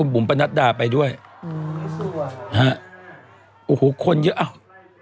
บุมปะนัดดาไปด้วยโอ้โหคนเยอะ